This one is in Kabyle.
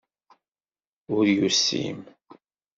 Ur yusim.